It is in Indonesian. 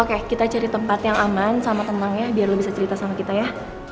oke kita cari tempat yang aman sama tenang ya biar lo bisa cerita sama kita ya